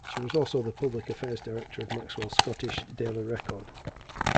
She was also the public affairs director of Maxwell's Scottish "Daily Record".